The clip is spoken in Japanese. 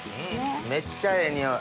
めっちゃええ匂い！